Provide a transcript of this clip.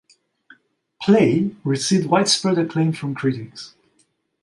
"Play" received widespread acclaim from critics.